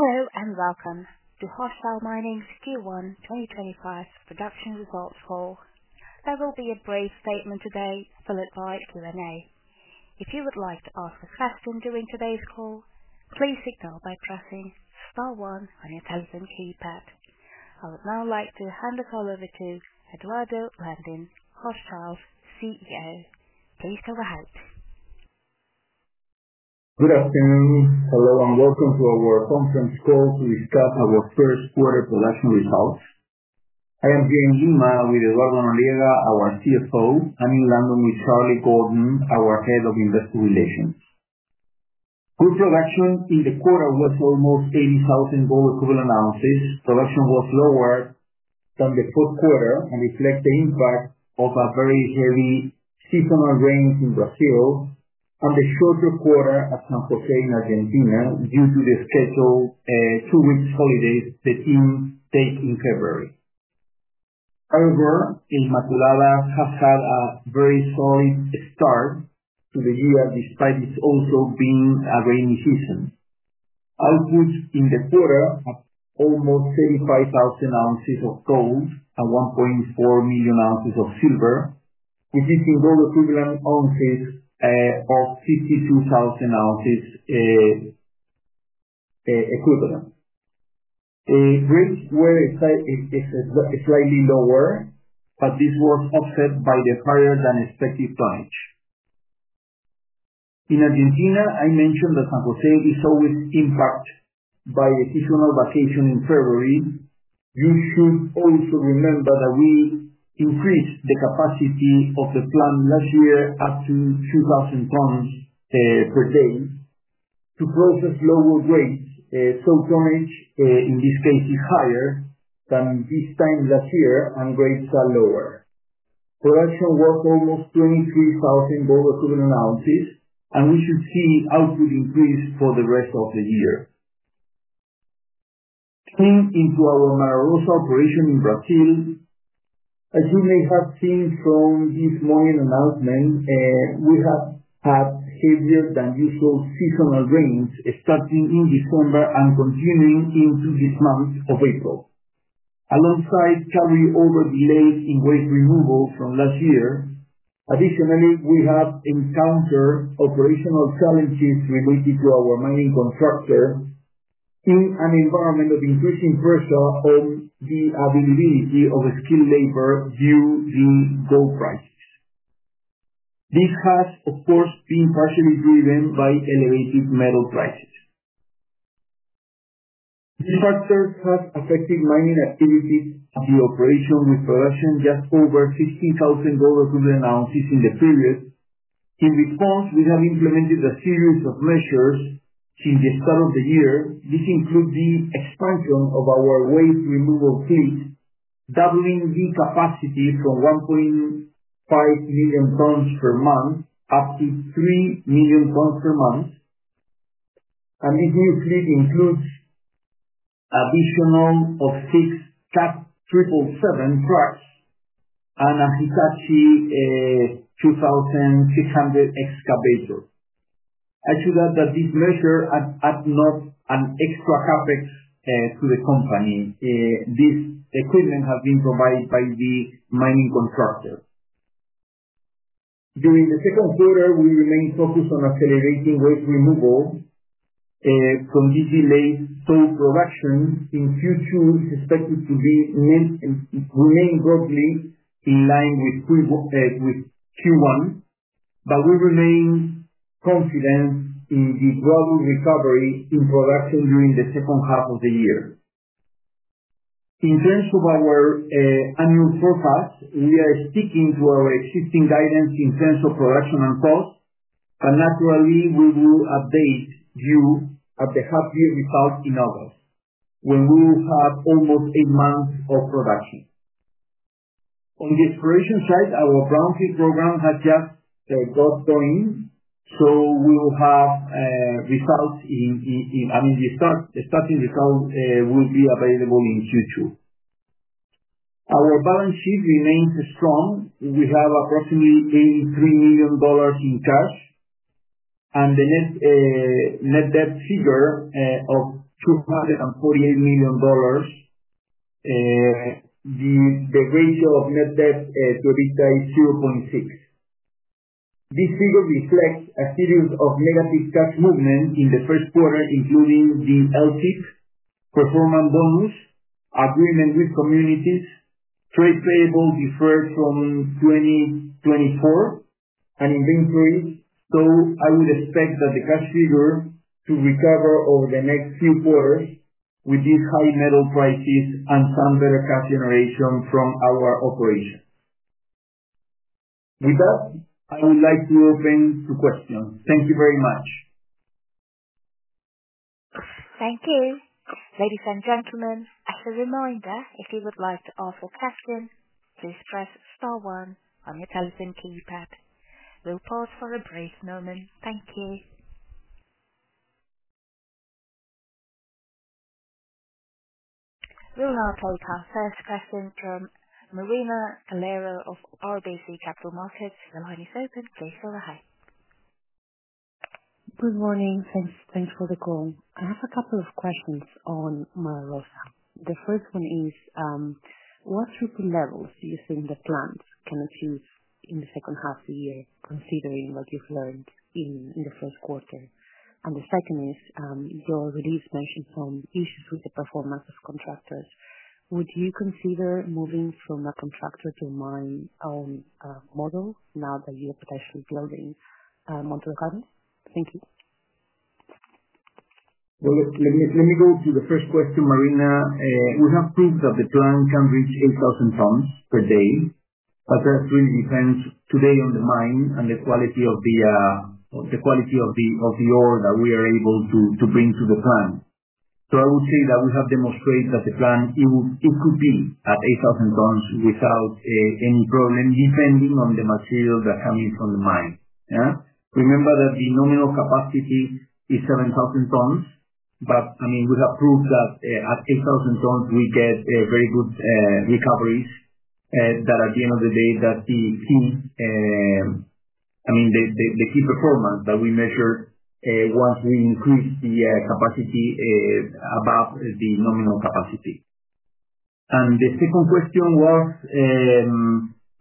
Hello and welcome to Hochschild Mining's Q1 2025 production results call. There will be a brief statement today followed by a Q&A. If you would like to ask a question during today's call, please signal by pressing star one on your telephone keypad. I would now like to hand the call over to Eduardo Landin, Hochschild's CEO. Please take a seat. Good afternoon. Hello and welcome to our conference call to discuss our first quarter production results. I am here in Lima with Eduardo Noriega, our CFO, and in London with Charlie Gordon, our Head of Investor Relations. Good production in the quarter was almost 80,000 gold equivalent ounces. Production was lower than the fourth quarter and reflects the impact of a very heavy seasonal rain in Brazil and the shorter quarter at San José in Argentina due to the scheduled two-week holidays the team takes in February. However, Inmaculada has had a very solid start to the year despite it also being a rainy season. Output in the quarter: almost 35,000 ounces of gold and 1.4 million ounces of silver, which is in gold equivalent ounces of 52,000 ounces equivalent. Rates were slightly lower, but this was offset by the higher-than-expected tonnage. In Argentina, I mentioned that San José is always impacted by the seasonal vacation in February. You should also remember that we increased the capacity of the plant last year up to 2,000 tons per day to process lower grades. Tonnage, in this case, is higher than this time last year, and grades are lower. Production was almost 23,000 gold equivalent ounces, and we should see output increase for the rest of the year. Turning into our Mara Rosa operation in Brazil, as you may have seen from this morning's announcement, we have had heavier-than-usual seasonal rains starting in December and continuing into this month of April. Alongside carry-over delays in waste removal from last year, additionally, we have encountered operational challenges related to our mining contractor in an environment of increasing pressure on the availability of skilled labor due to the gold prices. This has, of course, been partially driven by elevated metal prices. This factor has affected mining activities and the operation with production just over 15,000 gold equivalent ounces in the period. In response, we have implemented a series of measures since the start of the year. This includes the expansion of our waste removal fleet, doubling the capacity from 1.5 million tons per month up to 3 million tons per month. This new fleet includes an additional six Cat 777 trucks and a Hitachi 2600 excavator. I should add that this measure adds not an extra CapEx to the company. This equipment has been provided by the mining contractor. During the second quarter, we remained focused on accelerating waste removal from this delayed stope production. In future, it's expected to remain broadly in line with Q1, but we remain confident in the global recovery in production during the second half of the year. In terms of our annual forecast, we are sticking to our existing guidance in terms of production and cost, but naturally, we will update you at the half-year result in August when we will have almost eight months of production. On the exploration side, our Brownfield program has just got going, so we will have results in, I mean, the starting result will be available in Q2. Our balance sheet remains strong. We have approximately $83 million in cash and the net debt figure of $248 million. The ratio of net debt to EBITDA is 0.6. This figure reflects a series of negative cash movements in the first quarter, including the LTIP performance bonus, agreement with communities, trade payable deferred from 2024, and inventories. I would expect that the cash figure to recover over the next few quarters with these high metal prices and some better cash generation from our operation. With that, I would like to open to questions. Thank you very much. Thank you. Ladies and gentlemen, as a reminder, if you would like to ask a question, please press star one on your telephone keypad. We'll pause for a brief moment. Thank you. We'll now take our first question from Marina Calero of RBC Capital Markets. The line is open. Please say, "Hi. Good morning. Thanks for the call. I have a couple of questions on Mara Rosa. The first one is, what throughput levels do you think the plant can achieve in the second half of the year, considering what you've learned in the first quarter? The second is, your release mentioned some issues with the performance of contractors. Would you consider moving from a contractor to a mine-owned model now that you are potentially building Monte do Carmo? Thank you. Let me go to the first question, Marina. We have proved that the plant can reach 8,000 tons per day, but that really depends today on the mine and the quality of the ore that we are able to bring to the plant. I would say that we have demonstrated that the plant could be at 8,000 tons without any problem, depending on the material that's coming from the mine. Remember that the nominal capacity is 7,000 tons, but I mean, we have proved that at 8,000 tons, we get very good recoveries. At the end of the day, that is the key, I mean, the key performance that we measured once we increased the capacity above the nominal capacity. The second question was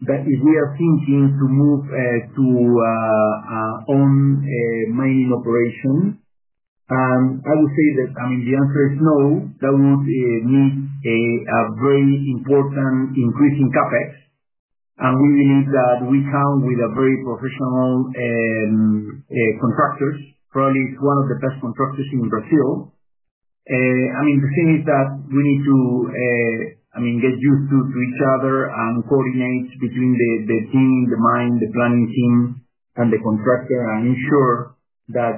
that if we are thinking to move to own mining operation, I would say that, I mean, the answer is no. That would need a very important increase in CapEx. We believe that we come with very professional contractors. Probably it's one of the best contractors in Brazil. The thing is that we need to, I mean, get used to each other and coordinate between the team, the mine, the planning team, and the contractor, and ensure that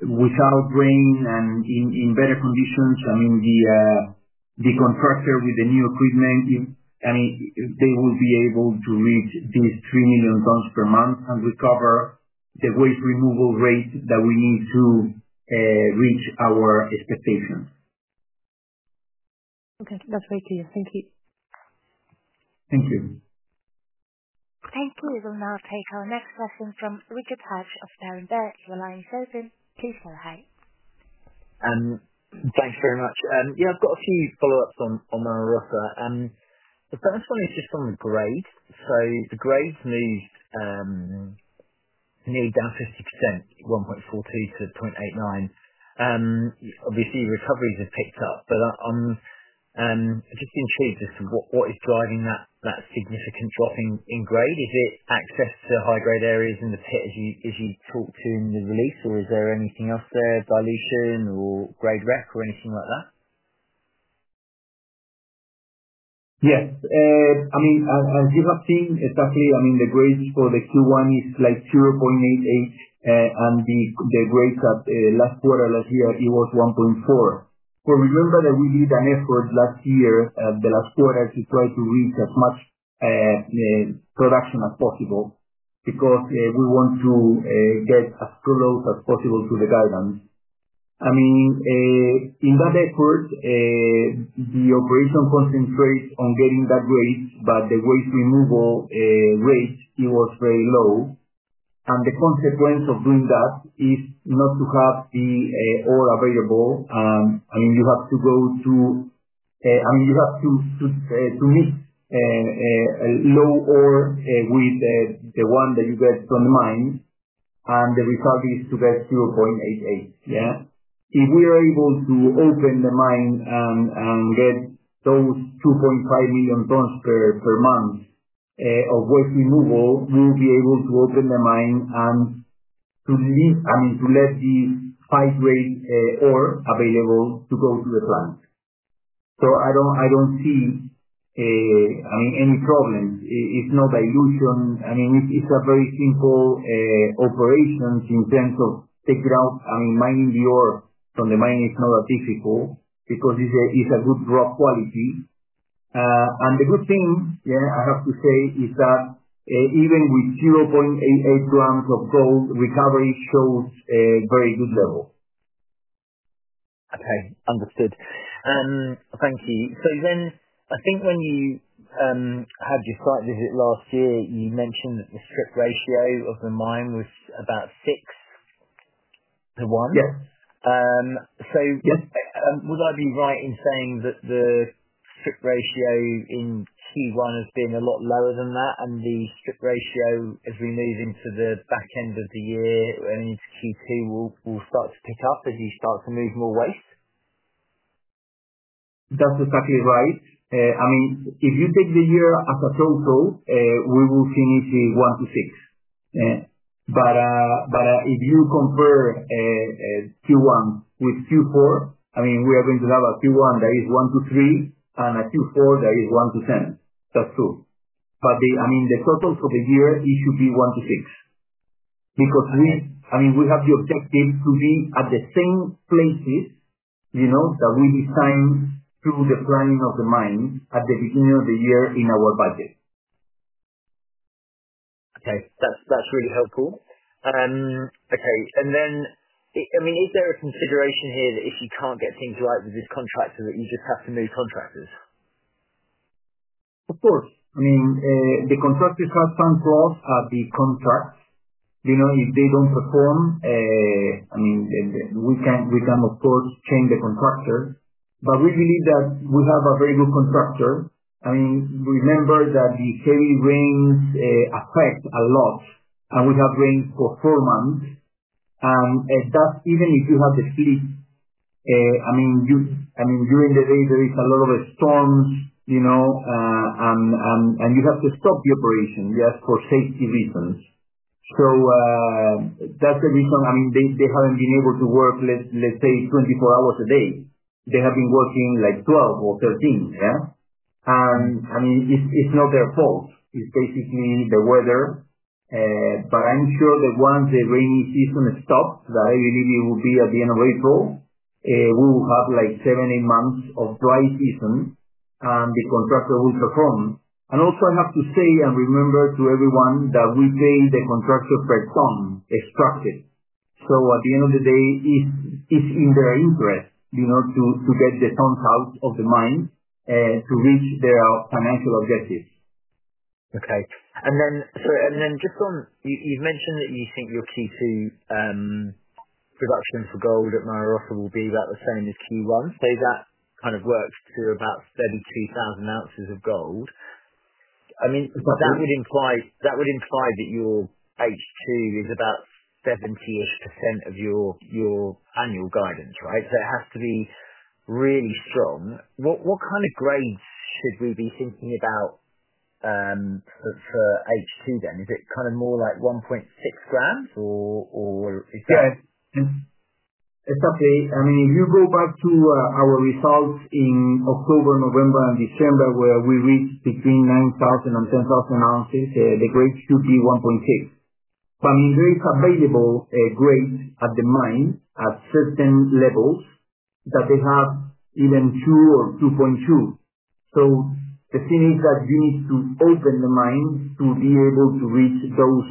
without rain and in better conditions, I mean, the contractor with the new equipment, I mean, they will be able to reach these 3 million tons per month and recover the waste removal rate that we need to reach our expectations. Okay. That's great to hear. Thank you. Thank you. Thank you. We'll now take our next question from Richard Hatch of Berenberg. The line is open. Please say, "Hi. Thanks very much. Yeah, I've got a few follow-ups on Mara Rosa. The first one is just on the grade. So the grades moved down 50%, 1.42 to 0.89. Obviously, recoveries have picked up, but I'm just intrigued as to what is driving that significant drop in grade. Is it access to high-grade areas in the pit as you talked to in the release, or is there anything else there, dilution or grade rec or anything like that? Yes. I mean, as you have seen, exactly, I mean, the grades for the Q1 is like 0.88, and the grades last quarter last year, it was 1.4. Remember that we did an effort last year, the last quarter, to try to reach as much production as possible because we want to get as close as possible to the guidance. I mean, in that effort, the operation concentrates on getting that grade, but the waste removal rate, it was very low. The consequence of doing that is not to have the ore available. I mean, you have to go to, I mean, you have to mix low ore with the one that you get from the mine, and the result is to get 0.88. Yeah? If we are able to open the mine and get those 2.5 million tons per month of waste removal, we will be able to open the mine and to leave, I mean, to let the high-grade ore available to go to the plant. I don't see, I mean, any problems. It's no dilution. I mean, it's a very simple operation in terms of taking out, I mean, mining the ore from the mine is not that difficult because it's a good rock quality. The good thing, yeah, I have to say, is that even with 0.88 grams of gold, recovery shows a very good level. Okay. Understood. Thank you. I think when you had your site visit last year, you mentioned that the strip ratio of the mine was about 6 to 1. Yes. Would I be right in saying that the strip ratio in Q1 has been a lot lower than that, and the strip ratio, as we move into the back end of the year and into Q2, will start to pick up as you start to move more waste? That's exactly right. I mean, if you take the year as a total, we will finish in 1 to 6. If you compare Q1 with Q4, I mean, we are going to have a Q1 that is 1 to 3 and a Q4 that is 1 to 10. That's true. I mean, the totals for the year, it should be 1 to 6 because, I mean, we have the objective to be at the same places that we designed through the planning of the mine at the beginning of the year in our budget. Okay. That's really helpful. Okay. I mean, is there a consideration here that if you can't get things right with this contractor, that you just have to move contractors? Of course. I mean, the contractors have some flaws at the contracts. If they do not perform, I mean, we can, of course, change the contractors. We believe that we have a very good contractor. I mean, remember that the heavy rains affect a lot, and we have rain performance. That is even if you have the fleet. I mean, during the day, there is a lot of storms, and you have to stop the operation just for safety reasons. That is the reason, I mean, they have not been able to work, let's say, 24 hours a day. They have been working like 12 or 13. Yeah? I mean, it is not their fault. It is basically the weather. I'm sure that once the rainy season stops, that I believe it will be at the end of April, we will have like seven, eight months of dry season, and the contractor will perform. I have to say and remember to everyone that we pay the contractor per ton extracted. At the end of the day, it's in their interest to get the tons out of the mine to reach their financial objectives. Okay. Just on you've mentioned that you think your Q2 production for gold at Mara Rosa will be about the same as Q1. That kind of works to about 32,000 ounces of gold. I mean, that would imply that your H2 is about 70% of your annual guidance, right? It has to be really strong. What kind of grades should we be thinking about for H2 then? Is it kind of more like 1.6 grams, or is that? Yeah. Exactly. I mean, if you go back to our results in October, November, and December, where we reached between 9,000 and 10,000 ounces, the grade should be 1.6. I mean, there is available grade at the mine at certain levels that they have even 2 or 2.2. The thing is that you need to open the mine to be able to reach those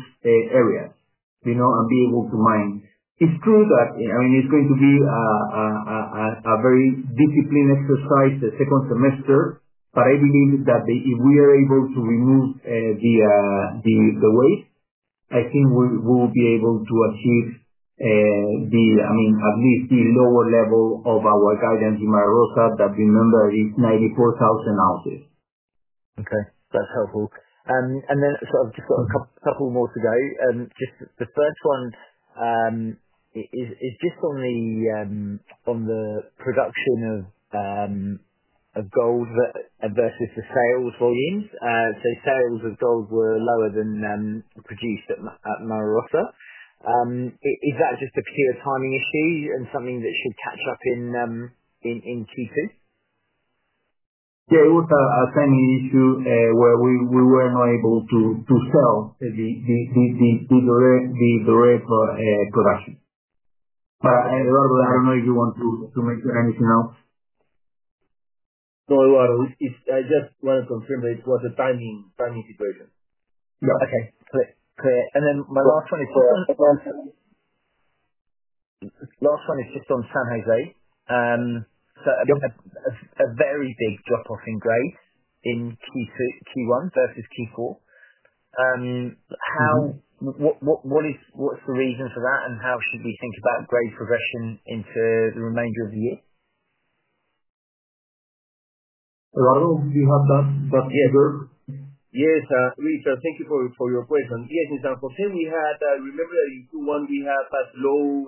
areas and be able to mine. It's true that, I mean, it's going to be a very disciplined exercise the second semester, but I believe that if we are able to remove the waste, I think we will be able to achieve, I mean, at least the lower level of our guidance in Mara Rosa that remember is 94,000 ounces. Okay. That's helpful. I just got a couple more to go. The first one is just on the production of gold versus the sales volumes. Sales of gold were lower than produced at Mara Rosa. Is that just a pure timing issue and something that should catch up in Q2? Yeah. It was a timing issue where we were not able to sell the direct production. Eduardo, I don't know if you want to mention anything else. No, Eduardo. I just want to confirm that it was a timing situation. Yeah. Okay. Clear. My last one is just on. The last one is just on San José and a very big drop-off in grades in Q1 versus Q4. What's the reason for that, and how should we think about grade progression into the remainder of the year? Eduardo, do you have that figure? Yes, Richard, thank you for your question. Yes, in San José, we had remember that in Q1, we had as low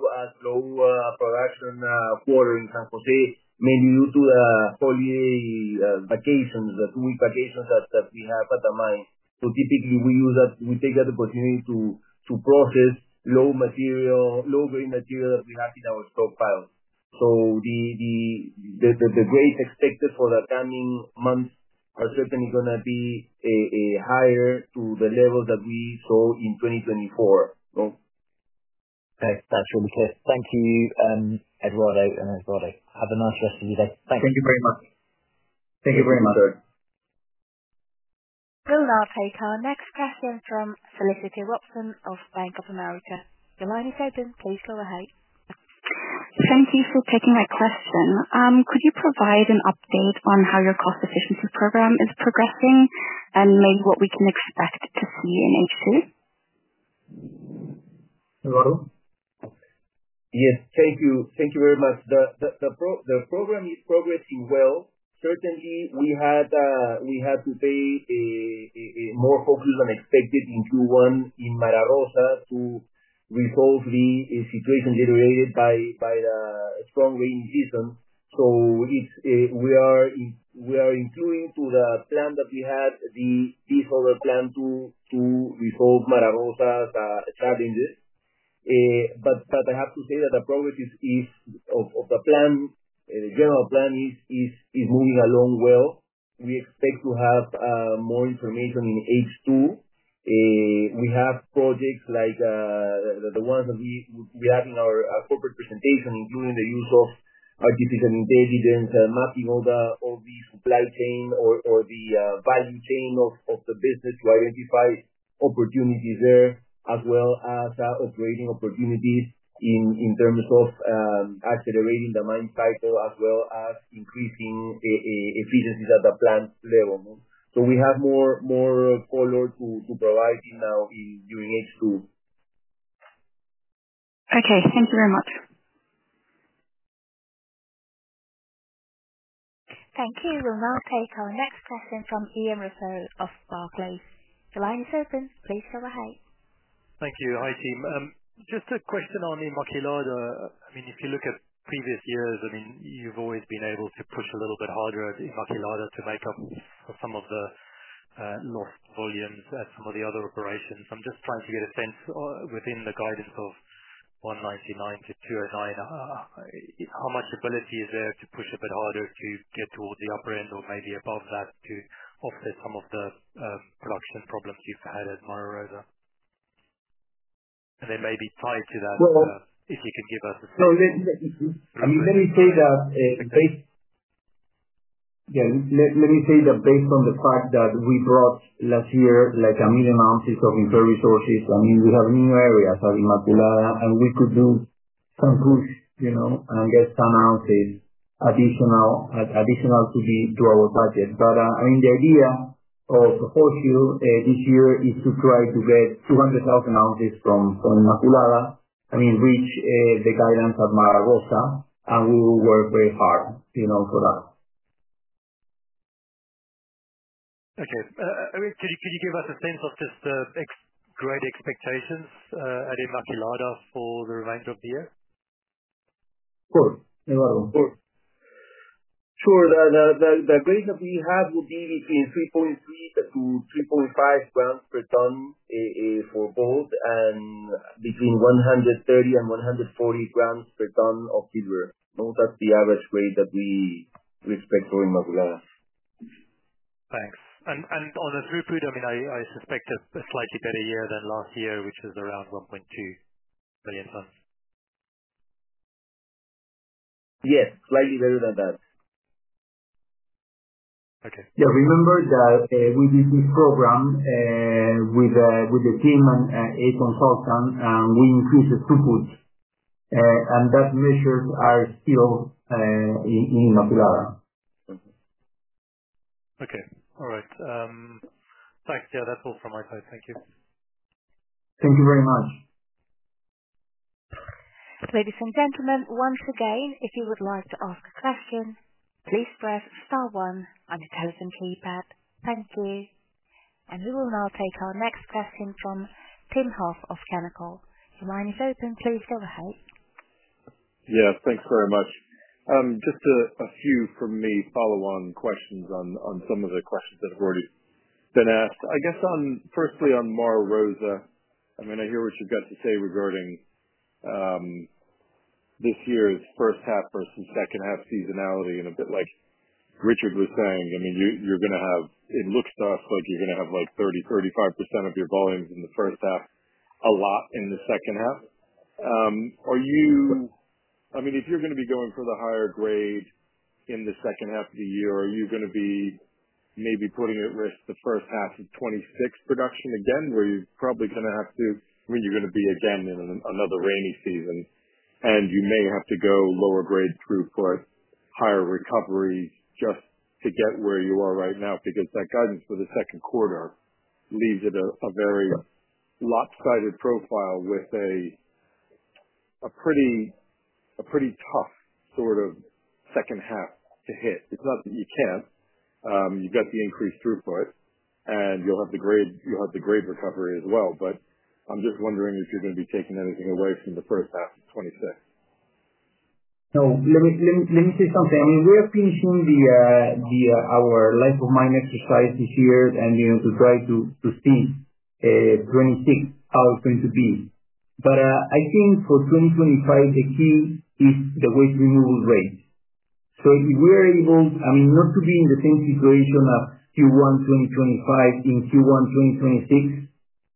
production quarter in San José mainly due to the holiday vacation`s, the two-week vacations that we have at the mine. Typically, we take that opportunity to process low-grade material that we have in our stockpile. The grades expected for the coming months are certainly going to be higher to the level that we saw in 2024. Okay. That's really clear. Thank you, Eduardo. Eduardo, have a nice rest of your day. Thanks. Thank you very much. Thank you very much. Thank you, sir. We'll take our next question from Felicia Watson of Bank of America. The line is open. Please go ahead. Thank you for taking my question. Could you provide an update on how your cost efficiency program is progressing and maybe what we can expect to see in H2? Eduardo? Yes. Thank you. Thank you very much. The program is progressing well. Certainly, we had to pay more focus than expected in Q1 in Mara Rosa to resolve the situation generated by the strong rainy season. We are including to the plan that we had, the solar plan to resolve Mara Rosa's challenges. I have to say that the progress of the plan, the general plan, is moving along well. We expect to have more information in H2. We have projects like the ones that we had in our corporate presentation, including the use of artificial intelligence, mapping all the supply chain or the value chain of the business to identify opportunities there, as well as operating opportunities in terms of accelerating the mine cycle, as well as increasing efficiencies at the plant level. We have more color to provide now during H2. Okay. Thank you very much. Thank you. We'll now take our next question from Ian Rossouw of Barclays. The line is open. Please go ahead. Thank you. Hi, team. Just a question on Inmaculada. I mean, if you look at previous years, I mean, you've always been able to push a little bit harder at Inmaculada to make up for some of the lost volumes at some of the other operations. I'm just trying to get a sense within the guidance of 199-209, how much ability is there to push a bit harder to get towards the upper end or maybe above that to offset some of the production problems you've had at Mara Rosa. Maybe tie to that if you can give us a sense of. Let me say that based on the fact that we brought last year like a million ounces of internal resources, I mean, we have new areas at Inmaculada, and we could do some push and get some ounces additional to our budget. I mean, the idea of Hochschild this year is to try to get 200,000 ounces from Inmaculada, I mean, reach the guidance at Mara Rosa, and we will work very hard for that. Okay. Could you give us a sense of just the grade expectations at Inmaculada for the remainder of the year? Of course. Eduardo, of course. Sure. The grade that we have will be between 3.3-3.5 grams per ton for gold and between 130-140 grams per ton of silver. That's the average grade that we expect for Inmaculada. Thanks. On the throughput, I mean, I suspect a slightly better year than last year, which is around 1.2 million tons. Yes, slightly better than that. Okay. Yeah. Remember that we did this program with the team and a consultant, and we increased the throughput, and that measure is still in Inmaculada. Okay. All right. Thanks. Yeah, that's all from my side. Thank you. Thank you very much. Ladies and gentlemen, once again, if you would like to ask a question, please press star one on your telephone keypad. Thank you. We will now take our next question from Tim Huff of Canaccord. The line is open. Please go ahead. Yes. Thanks very much. Just a few from me, follow-on questions on some of the questions that have already been asked. I guess firstly on Mara Rosa, I mean, I hear what you've got to say regarding this year's first half versus second half seasonality and a bit like Richard was saying. I mean, you're going to have, it looks to us like you're going to have like 30-35% of your volumes in the first half, a lot in the second half. I mean, if you're going to be going for the higher grade in the second half of the year, are you going to be maybe putting at risk the first half of 2026 production again, where you're probably going to have to, I mean, you're going to be again in another rainy season, and you may have to go lower grade throughput, higher recovery just to get where you are right now because that guidance for the second quarter leaves it a very lopsided profile with a pretty tough sort of second half to hit. It's not that you can't. You've got the increased throughput, and you'll have the grade recovery as well. I am just wondering if you're going to be taking anything away from the first half of 2026. No. Let me say something. I mean, we are finishing our life of mine exercise this year to try to see 2026 how it's going to be. I think for 2025, the key is the waste removal rate. If we are able, I mean, not to be in the same situation of Q1 2025 in Q1 2026,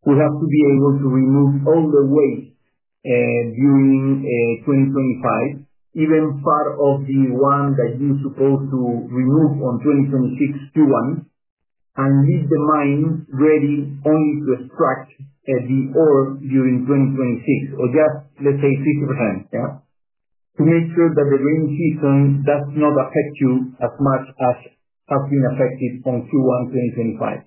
we have to be able to remove all the waste during 2025, even part of the one that you're supposed to remove in 2026 Q1, and leave the mine ready only to extract the ore during 2026, or just, let's say, 50%, yeah, to make sure that the rainy season does not affect you as much as has been affected in Q1 2025.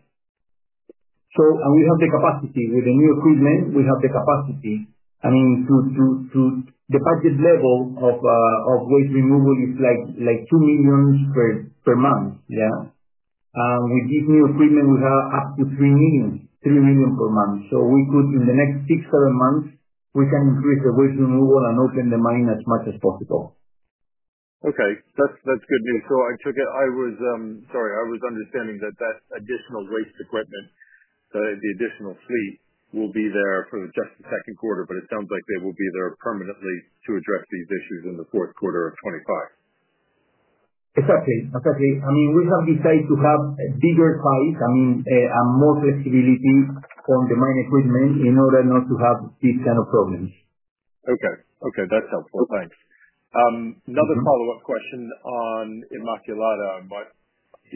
We have the capacity with the new equipment. We have the capacity, I mean, to the budget level of waste removal is like 2 million per month, yeah? With this new equipment, we have up to 3 million per month. In the next six, seven months, we can increase the waste removal and open the mine as much as possible. Okay. That's good news. I was sorry. I was understanding that that additional waste equipment, the additional fleet, will be there for just the second quarter, but it sounds like they will be there permanently to address these issues in the fourth quarter of 2025. Exactly. Exactly. I mean, we have decided to have bigger size, I mean, and more flexibility on the mine equipment in order not to have these kind of problems. Okay. Okay. That's helpful. Thanks. Another follow-up question on Inmaculada.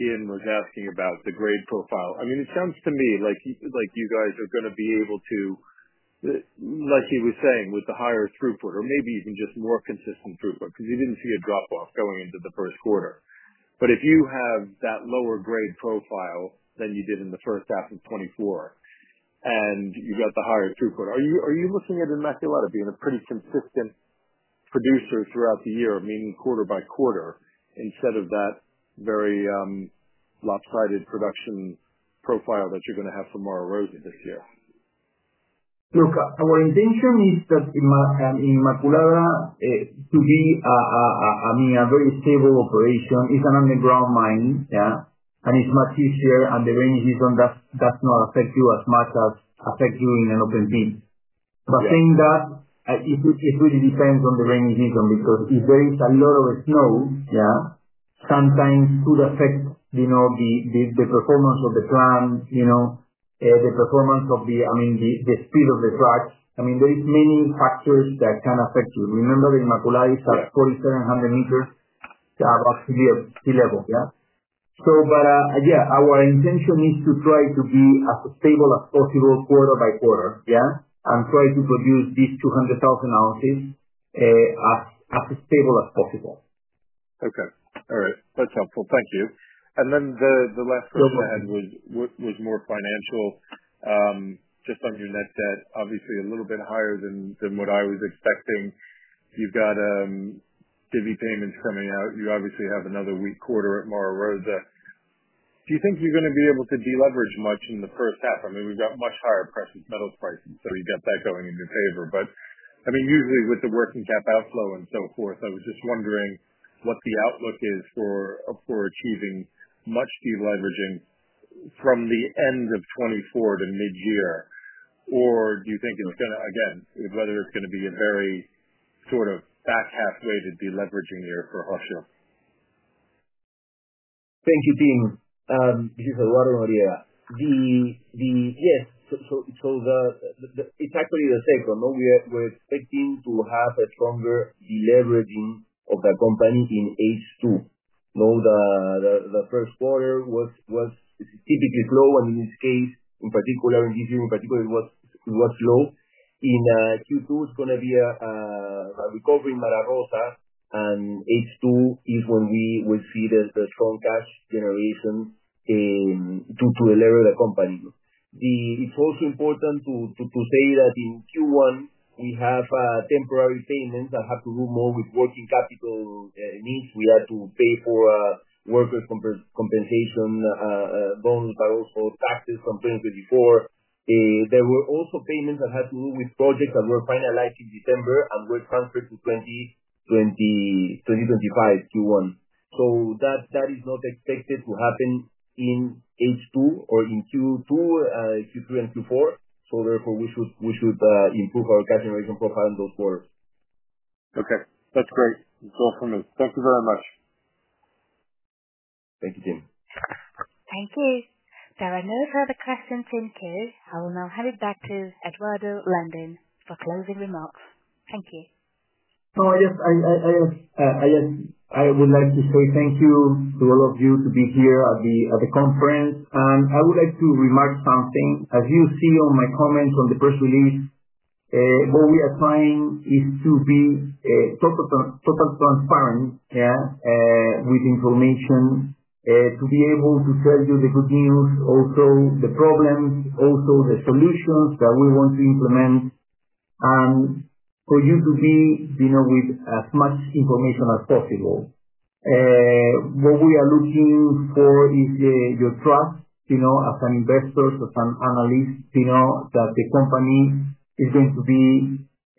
Ian was asking about the grade profile. I mean, it sounds to me like you guys are going to be able to, like he was saying, with the higher throughput or maybe even just more consistent throughput because you didn't see a drop-off going into the first quarter. If you have that lower grade profile than you did in the first half of 2024 and you've got the higher throughput, are you looking at Inmaculada being a pretty consistent producer throughout the year, meaning quarter by quarter, instead of that very lopsided production profile that you're going to have for Mara Rosa this year? Look, our intention is that Inmaculada to be, I mean, a very stable operation. It's an underground mine, yeah, and it's much easier, and the rainy season does not affect you as much as affects you in an open field. Saying that, it really depends on the rainy season because if there is a lot of snow, yeah, sometimes could affect the performance of the plant, the performance of the, I mean, the speed of the truck. I mean, there are many factors that can affect you. Remember that Inmaculada is at 4,700 meters above sea level, yeah? Yeah, our intention is to try to be as stable as possible quarter by quarter, yeah, and try to produce these 200,000 ounces as stable as possible. Okay. All right. That's helpful. Thank you. The last question I had was more financial. Just on your net debt, obviously a little bit higher than what I was expecting. You've got divvy payments coming out. You obviously have another weak quarter at Mara Rosa. Do you think you're going to be able to deleverage much in the first half? I mean, we've got much higher metals prices, so you've got that going in your favor. I mean, usually with the working cap outflow and so forth, I was just wondering what the outlook is for achieving much deleveraging from the end of 2024 to mid-year, or do you think it's going to, again, whether it's going to be a very sort of back half-weighted deleveraging year for Hochschild? Thank you, Tim. This is Eduardo Noriega. Yes. So it's actually the same. We're expecting to have a stronger deleveraging of the company in H2. The first quarter was typically slow, and in this case, in particular, in this year in particular, it was slow. In Q2, it's going to be a recovery in Mara Rosa, and H2 is when we will see the strong cash generation to elevate the company. It's also important to say that in Q1, we have temporary payments that have to do more with working capital needs. We had to pay for workers' compensation bonus, but also taxes from 2024. There were also payments that had to do with projects that were finalized in December and were transferred to 2025 Q1. That is not expected to happen in H2 or in Q2, Q3, and Q4. Therefore, we should improve our cash generation profile in those quarters. Okay. That's great. It's all from me. Thank you very much. Thank you, Tim. Thank you. There are no further questions in queue. I will now hand it back to Eduardo Landin for closing remarks. Thank you. No, I guess I would like to say thank you to all of you to be here at the conference. I would like to remark something. As you see on my comments on the press release, what we are trying is to be total transparent, yeah, with information, to be able to tell you the good news, also the problems, also the solutions that we want to implement, and for you to be with as much information as possible. What we are looking for is your trust as an investor, as an analyst, that the company is going to be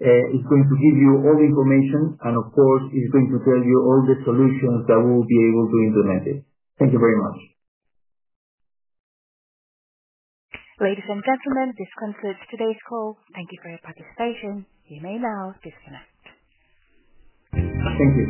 going to give you all the information and, of course, is going to tell you all the solutions that we will be able to implement it. Thank you very much. Ladies and gentlemen, this concludes today's call. Thank you for your participation. You may now disconnect. Thank you.